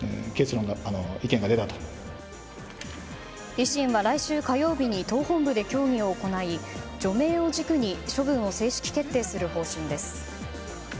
維新は来週火曜日に党本部で協議を行い除名を軸に処分を正式決定する方針です。